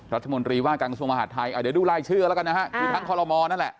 รัฐมนตรีว่าการกระทรวงมหาดไทยเดี๋ยวดูรายชื่อแล้วกันนะฮะคือทั้งคอลโมนั่นแหละ